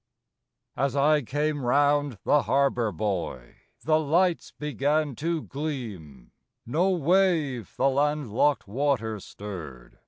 AS I came round the harbor buoy, The lights began to gleam, No wave the land locked water stirred.